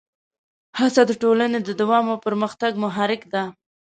هڅه د ټولنې د دوام او پرمختګ محرک ده.